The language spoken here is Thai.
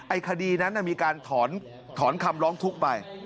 คดีนั้นมีการถอนคำร้องทุกข์ไป